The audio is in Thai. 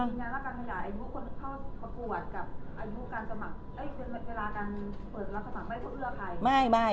มีงานละกันอย่างไอ้บุ๊คค่อนข้อประกวดกับไอ้บุ๊คเวลาการเปิดละสมัครไม่เอื้อใคร